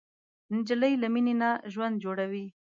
نجلۍ له مینې نه ژوند جوړوي.